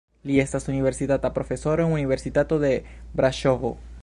Li estas universitata profesoro en Universitato de Braŝovo.